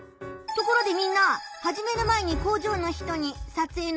ところでみんな始める前に工場の人にああ。